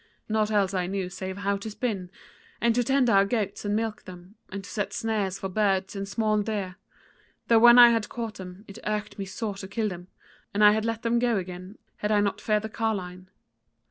Nought else I knew save how to spin, and to tend our goats and milk them, and to set snares for birds and small deer: though when I had caught them, it irked me sore to kill them, and I had let them go again had I not feared the carline.